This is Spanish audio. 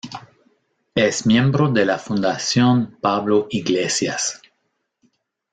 Es miembro de la Fundación Pablo Iglesias.